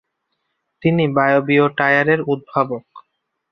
তিনি বায়বীয় টায়ারের উদ্ভাবক।